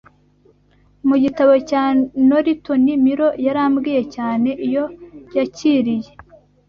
Mu gitabo cya Noritoni Milo yarambiwe cyane iyo yakiriye